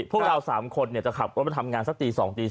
พวกเรา๓คนจะขับรถมาทำงานสักตี๒ตี๓